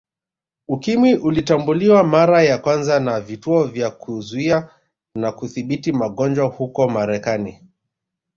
Ukimwi ulitambuliwa mara ya kwanza na Vituo vya Kuzuia na Kudhibiti magonjwa huko Marekani